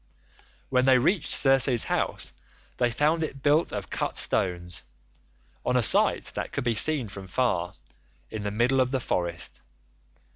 "When they reached Circe's house they found it built of cut stones, on a site that could be seen from far, in the middle of the forest.